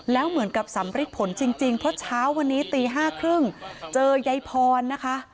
แล้วเหมือนกับสัมฤทธิ์ผลจริงเพราะเช้าวันนี้ตีห้าครึ่งเจอยายพรนะคะ